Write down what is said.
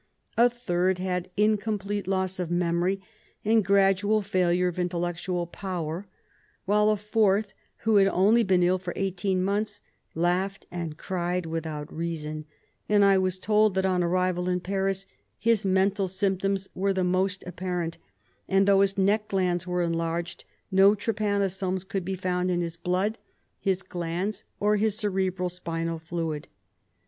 A third had in complete loss of memory and gradual failure of intellectual power, while a fourth, who had only been ill for eighteen months, laughed and cried without reason, and I was told that on arrival in Paris his mental symptoms were the most apparent, and though his neck glands were enlarged, no trypanosomes could be found in his blood, his glands, or his cerebro spinal fluid.